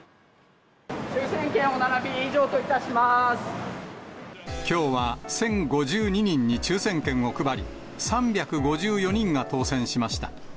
抽せん券のお並び、以上といきょうは１０５２人に抽せん券を配り、３５４人が当せんしました。